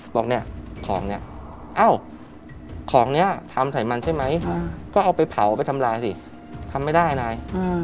บอกเนี่ยของเนี่ยเอ้าของนี้ทำใส่มันใช่ไหมก็เอาไปเผาไปทำลายสิทำไม่ได้นาย